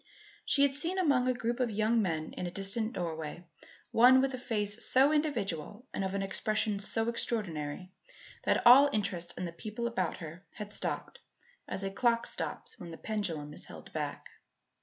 She had seen, among a group of young men in a distant doorway, one with a face so individual and of an expression so extraordinary that all interest in the people about her had stopped as a clock stops when the pendulum is held back.